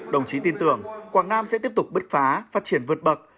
đồng chí tin tưởng quảng nam sẽ tiếp tục bứt phá phát triển vượt bậc